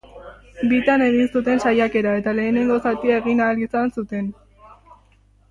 Bitan egin zuten saiakera, eta lehenengo zatia egin ahal izan zuten.